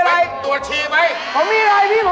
ข้าจะพาเข้าไปตรวจพี่ค่ะ